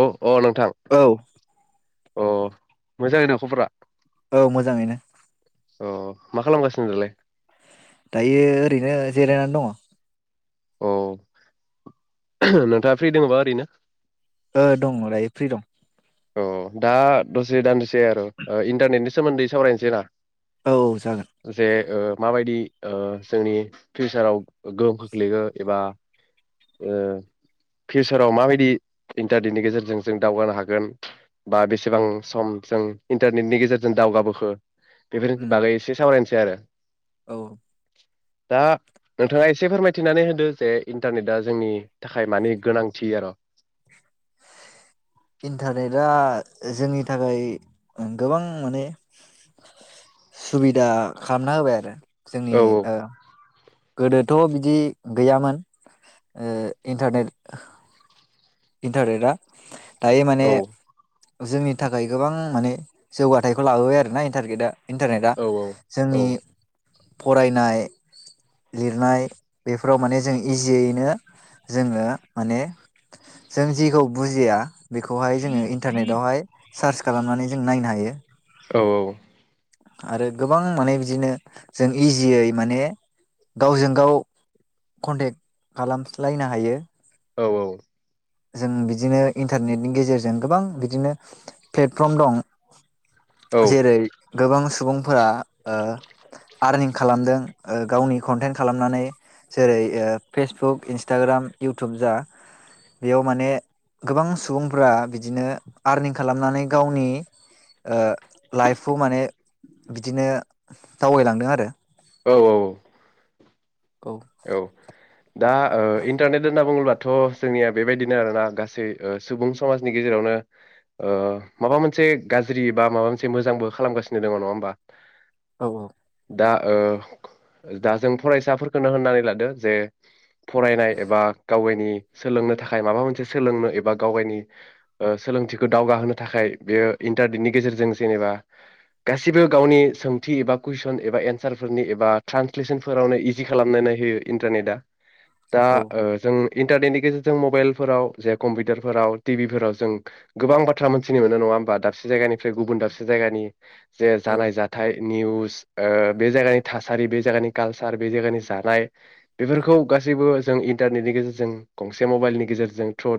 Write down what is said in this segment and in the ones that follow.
औ अ नोंथां औ अ मोजाङै नो ख'बरा औ मोजाङैनो। अ मा खालामगासिनो दालाय? दायो ओरैनो जिरायनानै दङ। अ नोंथाङा फ्रि दङोबा ओरैनो ओ दं दायो फ्रि दं औ दा दसे दान्दिसे आरो इन्टारनेटनि सोमोन्दै सावरायनोसै ना औ औ जागोन दसे ओ माबायदि ओ जोंनि फिउसाराव गोहोम खोख्लैयो एबा ओ फिउसाराव माबायदि इन्टारनेटनि गेजेरजों जों दावगानो हागोन बा औ बेसेबां सम जों इन्टारनेटनि गेजेरजों दावगाबोखो बेफोरनि उम बागै एसे सावरायनो सै आरो औ दा नोंथाङा एसे फोरमायथिनानै होदो जे इन्टारनेटआ जोंनि थाखाय मानि गोनांथि आरो इन्टारनेटआ जोंनि थाखाय ओं गोबां माने सुबिदा खालामना होबाय आरो औ जोंनि औ ओ गोदोथ' बिदि गैयामोन इन्टारनेट इन्थारनेटआ दायो माने जोंनि थाखाय गोबां माने जौगाथायखौ लाबोबाय आरो ना इन्टारगेटआ इन्टारनेटआ जोंनि फरायनाय लिरनाय बेफोराव माने जों इजियैनो जोङो माने [inaudible] जों जेखौ बुजिया बेखौहाय जोङो इन्टारनेटावहाय सार्च खालामनानै जों नायनो हायो। औ औ आरो गोबां माने बिदिनो जों इजियै माने गावजों गाव कन्टेक्ट खालामस्लायनो हायो। औ औ जों बिदिनो इन्टारनेटनि गेजेरजों गोबां बिदिनो प्लेटफर्म दं। औ जेरै गोबां सुबुंफोरा आरनिं खालामदों। ओ गावनि कन्टेन्ट खालामनानै जेरै ओ फेसबुक इन्सटाग्राम इउटुब जा। बेयाव माने गोबां सुबुंफोरा बिदिनो आरनिं खालामनानै गावनि ओ लाइफखौ माने बिदिनो दावगैलांदों आरो औ औ औ। औ दा ओ इन्टारनेट होनना बुङोब्ला। थ जोंनिया बेबायदिनो आरोना गासै ओ सुबुं समाजनि गेजेरावनो ओ माबा मोनसे गाज्रि बा माबा मोनसे मोजांबो खालामगासिनो दङ नङा होमबा। औ औ दा ओ दा जों फरायसाफोर। होनो होननानै लादो जे। फरायनाय एबा गावगायनि। सोलोंनो थाखाय माबा मोनसे सोलोंनो एबा गावगायनि सोलोंथिखौ दावगाहोनो थाखाय बेयो इन्टारनेटनि गेजेरजों जेनेबा गासिबो गावनि सोंथि एबा कुइसन एबा एन्सारफोरनि एबा ट्रान्सलेसनफोरावनो इ जि खालामनानै होयो इन्टारनेटआ। दा ओ जों। इन्टारनेटनि गेजेरजों मबाइलफोराव जे कम्पिउटारफोराव टिभिफोराव जों गोबां बाथ्रा मोनथिनो मोनो नङा होमबा दाबसे जायगानिफ्राय गुबुन दाबसे जायगानि। जे औ जानाय जाथाय। निउस ओ बे जायगानि थासारि बे जायगानि कालचार। बे जायगानि जानाय बेफोरखौ गासैबो जों इन्टारनेटनि गेजेरजों गंसे मबाइलनि गेजेरजों थ्रु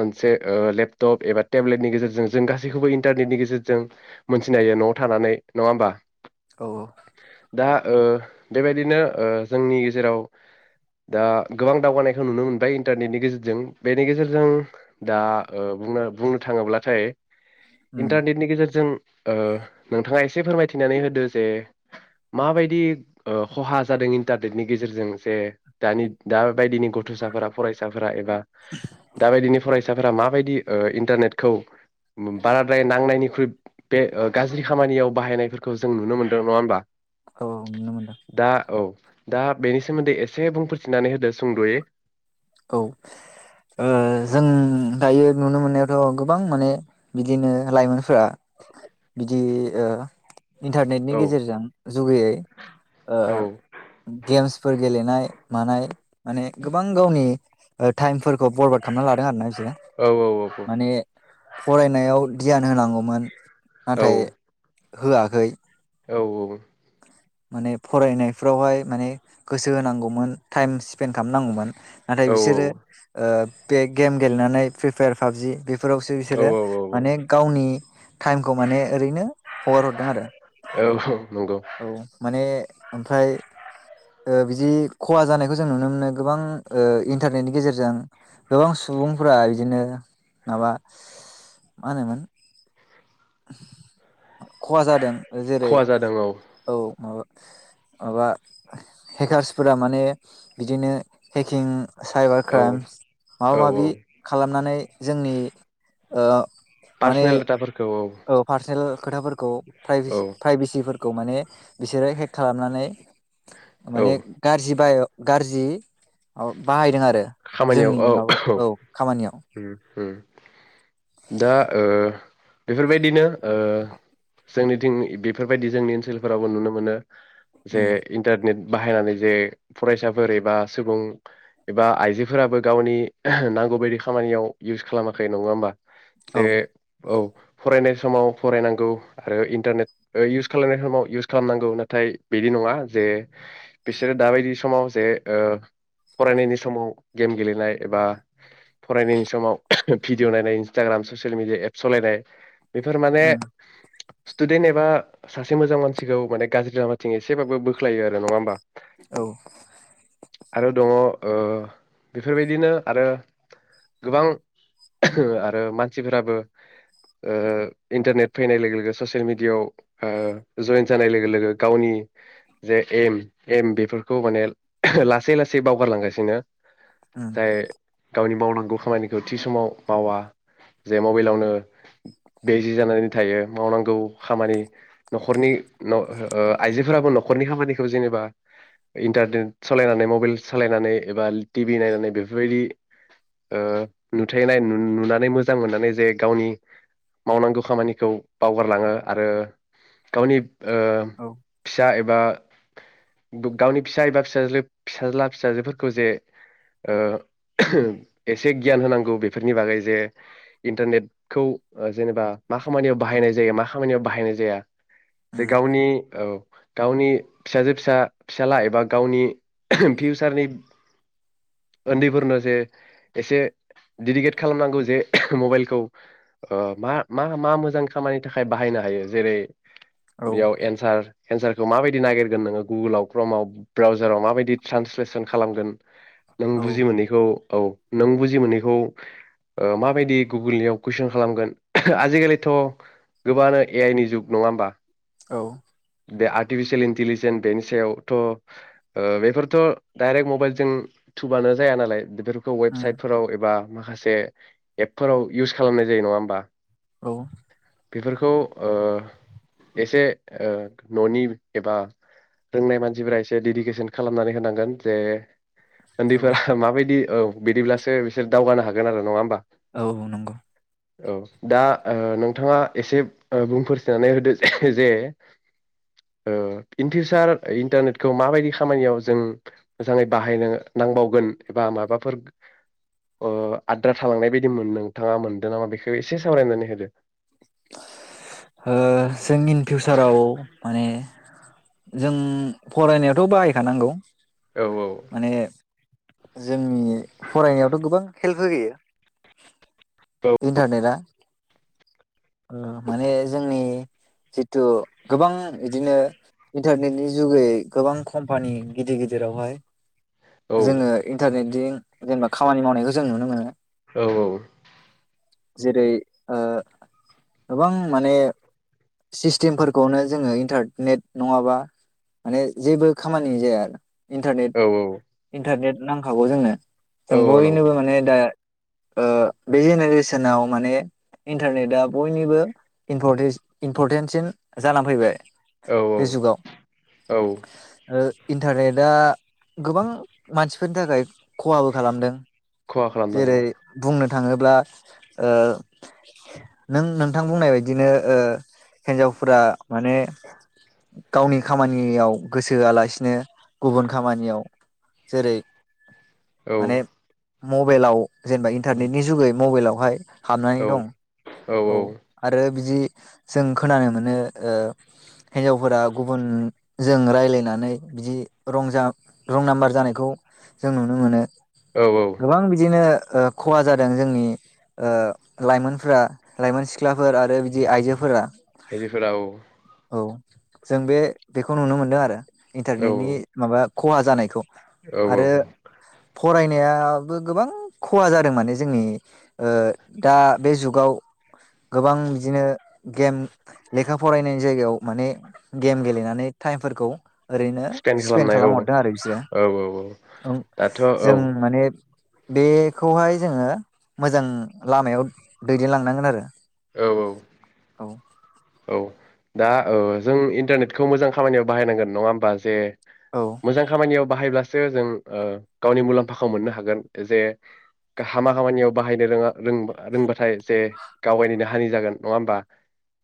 मोनसे आ लेपटप एबा टेब्लेटनि गेजेरजों जों गासैखौबो इन्टारनेटनि गेजेरजों मोनथिनो हायो नआव थानानै नङा होमबा। औ औ दा ओ बेबायदिनो। ओ जोंनि गेजेराव दा गोबां दावगानायखौ नुनो मोनबाय इन्टारनेटनि गेजेरजों। बेनि गेजेरजों दा बुंनो बुंनो थाङोब्लाथाय उम इन्टारनेटनि गेजेरजों ओ नोंथाङा एसे फोरमायथिनानै होदो जे माबायदि खहा जादों इन्टारनेटनि गेजेरजों जे दानि दा बायदिनि गथसाफोरा, फरायसाफोरा एबा दाबायदिनि फरायस फोरा माबायदि इन्टारनेटखौ बाराद्राय नांनायनिख्रुइ बे गाज्रि खामानियाव बाहायनायफोरखौ जों नुनो मोनदों नङा होमबा? औ औ नुनो मोनदों। दा औ दा बेनि सोमोन्दै एसे बुंफोरथिनानै होदो सुंदयै। औ। ओ जों दायो नुनो मोननायावथ गोबां माने बिदिनो लाइमोनफोरा बिदि ओ इन्टारनेटनि औ गेजेरजों जुगैयै ओ औ गेम्स फोर गेलेनाय मानाय माने गोबां गावनि ओ टाइमखौ बररवार्ड खालामना लादों आरो ना? बिसोरो औ औ औ माने फरायनायाव धियान होनांगौमोन नाथाय होआखै औ औ माने फरायनायफ्रावहाय माने गोसो होनांगौमोन टाइम स्पेन्ड खालामनांगौमोन नाथाय बिसोरो ओ बे गेम गेलेनानै फ्रि फायार पाबजि बे फोरावसो औ बिसोरो औ औ माने गावनि टाइमखौ माने ओरैनो हगार हरदों नंगौ आरो माने ओमफ्राय ओ बिदि खहा जानायखौ जों नुनो मोनो गोबां ओ इन्टारनेटनि गेजेरजों गोबां सुबुंफोरा बिदिनो माबा मा होनोमोन [inaudible] खहा जादों जेरै खहा जादों औ माबा माबा हेकार्सफोरा माने बिदिनो हेकिं साइबार औ क्राइम माबा औ माबि खालामनानै जोंनि ओ पार्सनेल दाथा फोर औ पारसेल खोथाफोरखौ पाइभेसि औ प्राइभेसि खौ माने बिसोरो हेक खालामनानै औ माने गाज्रि बाय गाज्रि बाहायदों आरो खामानियाव जोंनि औ माबा औ खामानियाव दा ओ बेफोरबायदिनो ओ जोंनिथिं बेफोरबायदि जोंनि ओनसोलफोरावबो नुनो मोनो जे उम इन्टारनेट बाहायनानै जे फरायसाफोर एबा सुबुं एबा आइजो जिफोराबो गावनि नांगौ बदि खामानियाव इउस खालामाखै नङा होमबा? से औ औ फरायनाय समाव फरायनांगौ आरो इन्टारनेट इउस खालामनाय समाव इउस खालामनांगौ नाथाय बिदि नङा जे बिसोरो दाबायदि समाव जे ओ फरायनायनि समाव गेम गेलेनाय एबा फरायनायनि समाव भिडिय नायनाय इन्सटाग्राम ससियेल मिडिया एप सालायनाय बेफोर माने उम स्टुदेन्ट एबा सासे मोजां मानसिखौ माने गाज्रि लामाथिं एसेबाबो बोख्लायो आरो नङा होमबा? औ आरो दङ ओ बेफोरबायदिनो आरो गोबां आरो मानसिफोराबो ओ इन्टारनेट फैनाय लोगो लोगो ससियेल मिडियाायाव ओ जयेन जानाय लोगो लोगो गावनि जे एम एम बेफोरखौ माने लासै लासै बावगारलांगासिनो। उम जाय गावनि मावनांगौ खामानिखौ थि समाव मावा जे मबाइलावनो बेजि जानानै थायो मावनांगौ खामानि नखरनि ओ आइजोफोराबो नखरनि खामानिखौ जेनेबा इन्टारनेट सालायनानै मबाइल सालायनानै एबा टिभि नायनानै बेफोरबायदि ओ नुथायनाय नुनानै मोजां मोननानै जे गावनि मावनांगौ खामानिखौ बावगारलाङो आरो गावनि ओ औ फिसा एबा गावनि फिसा एबा फिाज फिसाज्ला फिसाजोफोरखौ जे ओ एसे गियान होनांगौ बेफोरनि बागै जे इन्टारनेटखौ जेनेबा मा खामानियाव बाहायनाय जायो मा खामानियाव बाहायनाय जाया। जे उम गावनि औ गावनि फिसाजो फिसा फिसाला एबा गावनि ओह फिउसारनि उन्दैफोरनो जे एसे डेदिकेट खालामनांगौ जे मबाइलखौ मा मा मा मोजां खामानि थाखाय बाहायनो हायो जेरै औ बेयाव एन्सार एन्सारखौ माबायदि नागिरगोन नोङो गुगोलाव क्रमाव ब्राउजाराव माबायदि ट्रेन्सलेसन खालामगोन नों औ बुजि मोनैखौ औ नों बुजि मोनैखौ माबायदि गुगोलनियाव कुइसन खालामगोन ओह आजि खालिथ गोबांनो ए आइ नि जुग नङा होमबा औ दे। र्टिफिसियेल इन्टिलिजेन्स बेनि सायावथ बेफोरथ डाइरेक्ट मबाइल जों थुबानो जाया नालाय बेफोरखौ उम वेबसाइटफोराव एबा माखासे एपफोराव इउस खालामनाय जायो नङा होमबा? औ। बेफोरखौ एसे ननि एबा रोंनाय मानसिफोरा एसे डेडिकेसन खालामनानै होनांगोन जे औ उन्दैफोरा माबायदि औ बिदिब्लासो बिसोर दावगानो हागोन आरो नङा होमबा? औ नंगौ। औ दा नोंथाङा एसे बुंफोर थिनानै होदो जे इन फिउसार इन्टारनेटखौ माबायदि खामानियाव जों मोजाङै बाहायनो नांबावगोन एबा माबाफोर आद्रा थालांनाय बायदि नोंथाङा मोनदों नामा बेखौ एसे सावरायनानै होदो। ओ जों इन फिउचाराव माने जों फरायनायाथ बाहायखानांगौ, औ औ। माने जोंनि फरायनायावथ गोबां हेल्प होयो। इन्टारनेटआ। माने जोंनि जिथु गोबां बिदिनो इन्टारनेटनि जुगै गोबां कम्पानि गिदिर गिदिराव हाय औ जोङो इन्टारनेटजों जेनेबा खामानि मावनायखौ जों नुनो मोनो। औ औ। जेरै ओ गोबां माने सिस्टेमफोरखौनो जोङो इन्टारनेट नङाबा माने जेबो खामानि जाया आरो। इन्टारनेट औ इन्टारनेट नांखागौ जोंनो। औ जों औ नंगौ बयनोबो माने दा बे जेनेरेसनाव माने इन्टारनेटआ बयनिबो इमपर इम्परटेन्सिन जानानै फैबाय। औ बे औ औ जुगाव इन्टारनेटआ गोबां मानसिफोरनि थाखाय खहाबो खालामदों। खहा खालामनाङा जेरै औ बुंनो थाङोब्ला ओ नों नोंथां बुंनाय बायदिनो ओ हिन्जावफोरा माने गावनि खामानियाव गोसोआलासिनो गुबुन खामानियाव जेरै औ माने मबाइलाव जेनेबा इन्टारनेटनि जुगै मबाइलावहाय हाबनानै दं। औ आरो बिदि जों खोनानो मोनो ओ हिन्जावफोरा गुबुनजों रायलायनानै बिदि रंजा रं नाम्बार जानायखौ जों नुनो मोनो औ औ गोबां बिदिनो ओ खहा जादों जोंनि ओ लाइमोनफोरा लाइमोन सिख्लाफोर आरो बिदि आइजोफोरा बे फोराव औ जों बे बेखौ नुनो मोनदों आरो औ इन्टारनेटनि माबा खहा जानायखौ औ आरो औ फरायनायाबो गोबां खहा जादों माने जोंनि ओ दा बे जुगाव गोबां बिदिनो गेम लेखा फरायनायनि जायगायाव माने गेम गेलेनानै टाइमफोरखौ ओरैनो स्केन स्पेन्ड खालामनाय औ खालाम हरदों आरो बिसो औ औ औ दाथ' औ औ जों माने बेखौहाय जोङो मोजां लामायाव दैदेनलांनांगोन औ औ औ दा ओ जों इन्टारनेटखौ मोजां खामानियाव बाहायनांगोन नङा होमबा जे मोजां खामानियाव बाहायब्लासो जों ओ गावनि मुलाम्फाखौ मोननो हागोन जे गा हामा खामानियाव बाहायनो रोङा रों रोंबाथाय जे गावगावनिनो हानि जागोन नङा होमबा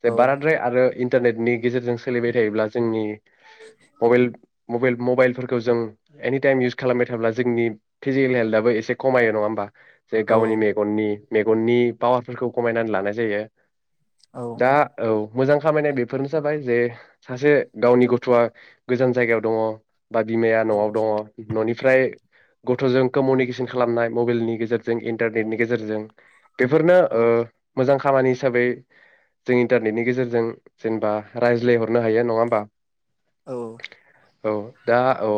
बे औ बाराद्राय आरो इन्टारनेटनि गेजेरजों सोलिबाय थायोब्ला जोंनि मबाइल मबाइल मबाइलफोरखौ जों एनिटाइम इउस खालामबाय थायोला जोंनि फिजिकेल हेल्थाबो एसे खमायो नङा होमबा जे औ गावनि मेगननि मेगननि पावारफोरखौ खमायनानै लानाय जायो औ दा औ मोजां खामानिया बेफोरनो जाबाय जे सासे गावनि गथआ गोजान जायगायाव दङ बा बिमाया नआव दङ ननि ओमफ्राय गथजों कमोउनिकेसन खालामनाय मबाइलनि गेजेरजों इन्टारनेटनि गेजेरजों बेफोरनो औ ओ मोजां खामानि हिसाबै जों इन्टारनेटनि गेजेरजों जेनेबा रायज्लायहरनो हायो नङा होमबा औ औ दा औ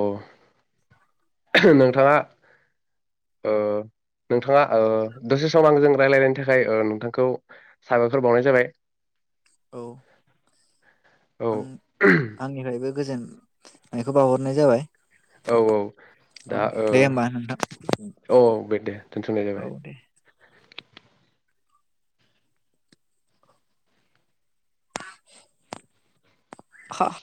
[unintelligible] नोंथाङा ओ नोंथाङा ओ दसे सम आंजों रायजलायनायनि थाखाय ओ नोंथांखौ साबायखर बावनाय जाबाय औ औ आं आंनिफायबो गोजोन बेखौ बावहरनाय जाबाय औ औ औ दा ओ दे होमबा नोंथां औ औ बे दे दोनथनाय जाबाय औ दे हा